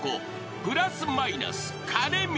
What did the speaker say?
プラス・マイナス兼光］